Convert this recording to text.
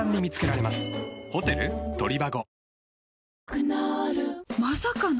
クノールまさかの！？